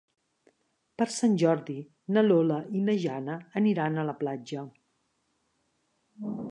Per Sant Jordi na Lola i na Jana aniran a la platja.